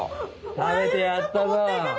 食べてやったぞ。